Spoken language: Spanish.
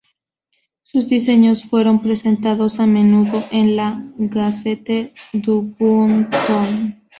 Sus diseños fueron presentados a menudo en la "Gazette du Bon Ton".